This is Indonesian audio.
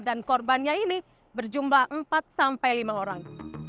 dan korbannya ini berjumlah empat sampai lima orang